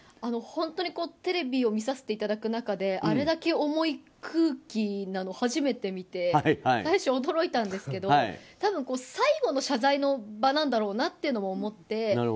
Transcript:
本当にテレビを見させていただく中であれだけ重い空気なの初めて見て最初、驚いたんですけど多分、最後の謝罪の場なんだろうなというのも思って。